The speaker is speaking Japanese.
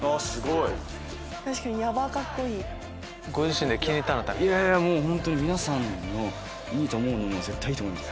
いやいやもうホントに皆さんのいいと思うものが絶対いいと思います。